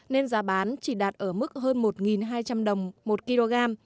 nên giá bán chỉ đạt ở mức hơn một hai trăm linh đồng một kg